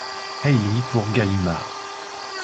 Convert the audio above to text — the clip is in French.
Hailey pour Gallimard.